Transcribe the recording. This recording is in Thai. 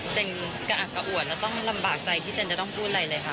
กระอักกะอวดแล้วต้องลำบากใจที่เจนจะต้องพูดอะไรเลยค่ะ